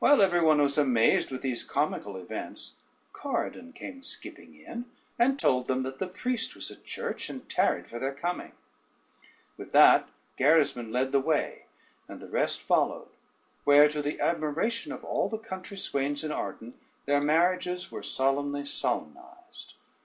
While every one was amazed with these comical events, Corydon came skipping in, and told them that the priest was at church, and tarried for their coming. With that Gerismond led the way, and the rest followed; where to the admiration of all the country swains in Arden their marriages were solemnly solemnized.